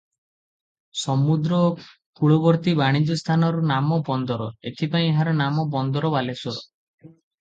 ସମୁଦ୍ର କୂଳବର୍ତ୍ତୀ ବାଣିଜ୍ୟ ସ୍ଥାନର ନାମ ବନ୍ଦର, ଏଥିପାଇଁ ଏହାର ନାମ ବନ୍ଦର ବାଲେଶ୍ୱର ।